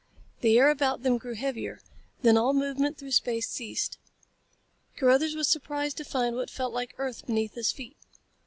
The air about them grew heavier. Then all movement through space ceased. Carruthers was surprised to find what felt like earth beneath his feet.